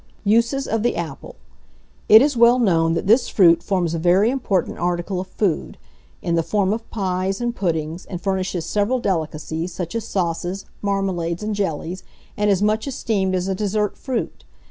USES OF THE APPLE. It is well known that this fruit forms a very important article of food, in the form of pies and puddings, and furnishes several delicacies, such as sauces, marmalades, and jellies, and is much esteemed as a dessert fruit.